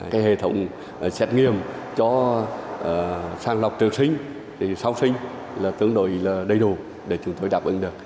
cái hệ thống xét nghiệm cho sàng lọc trước sinh sau sinh tương đối đầy đủ để chúng tôi đạp ứng được